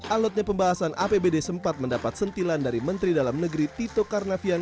alotnya pembahasan apbd sempat mendapat sentilan dari menteri dalam negeri tito karnavian